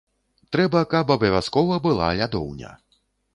Трэба, каб абавязкова была лядоўня.